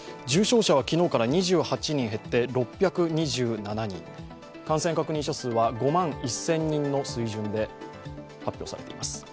重症者は昨日から２８人減って６２７人、感染確認者数は５万１０００人の水準で発表されています。